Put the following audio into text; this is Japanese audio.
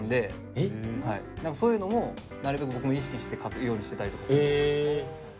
そういうのもなるべく僕も意識して買うようにしてたりとかするんですよ。